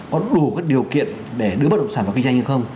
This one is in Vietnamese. có đủ các điều kiện để đưa bất động sản vào kinh doanh hay không